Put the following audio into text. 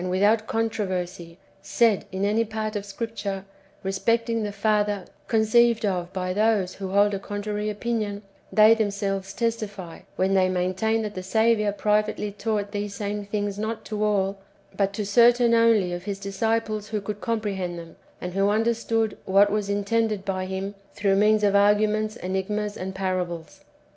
219 without controversy said in any part of Scripture respecting the Father conceived of by those who hold a contrary opinion, they themselves testify, when they maintain that the Saviour privately taught these same things not to all, but to certain only of His disciples who could comprehend them, and who understood what was intended by Him through means of arguments, enigmas, and parables.